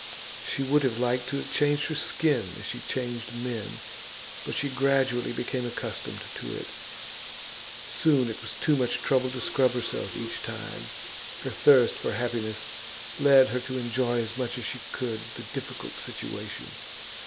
She would have liked to have changed her skin as she changed men. But she gradually became accustomed to it. Soon it was too much trouble to scrub herself each time. Her thirst for happiness led her to enjoy as much as she could the difficult situation.